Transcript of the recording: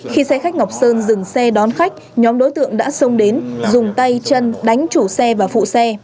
khi xe khách ngọc sơn dừng xe đón khách nhóm đối tượng đã xông đến dùng tay chân đánh chủ xe và phụ xe